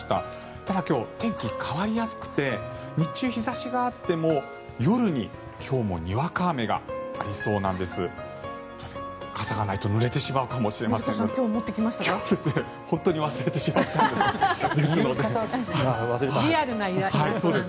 ただ、今日は天気変わりやすくて日中、日差しがあっても夜に今日もにわか雨がありそうなんです。